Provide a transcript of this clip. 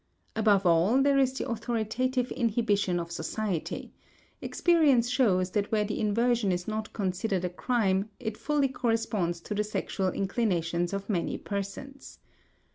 Above all, there is the authoritative inhibition of society; experience shows that where the inversion is not considered a crime it fully corresponds to the sexual inclinations of many persons.